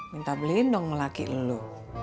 minta beliin dong laki lo